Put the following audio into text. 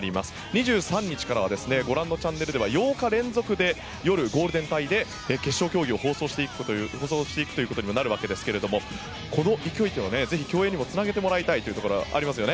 ２３日からはご覧のチャンネルでは８日連続で夜ゴールデン帯で決勝競技を放送していきますがこの勢いはぜひ競泳にもつなげてもらいたいところがありますね。